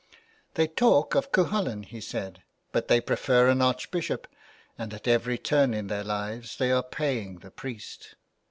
*' They talk of Cuchulain," he said, '' but they prefer an Archbishop, and at every turn in their lives they are paying the priest.